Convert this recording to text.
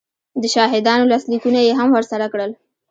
د شاهدانو لاسلیکونه یې هم ورسره کړل